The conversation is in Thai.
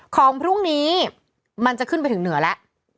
ของพรุ่งนี้มันจะขึ้นไปถึงเหนือแล้ว